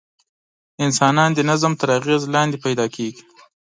انسانان د نظم تر اغېز لاندې پیدا کېږي.